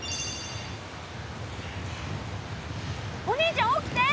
お兄ちゃん起きて！